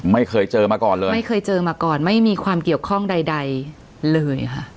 ไม่เคยเจอมาก่อนเลยไม่เคยเจอมาก่อนไม่มีความเกี่ยวข้องใดเลยค่ะ